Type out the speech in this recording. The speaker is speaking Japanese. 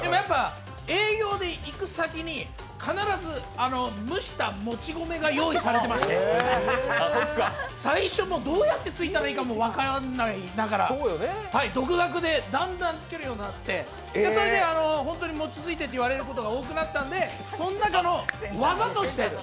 営業で行く先に必ず蒸したもち米が用意されてまして、最初、どうやってついたらいいか分からないながら、独学でだんだんつけるようになって、それで本当に餅をついてと言われることが多くなったので技として。